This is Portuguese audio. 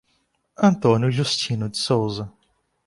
Antônio Justino de Souza